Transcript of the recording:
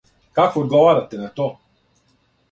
Како одговарате на то?